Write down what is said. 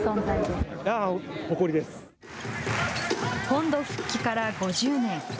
本土復帰から５０年。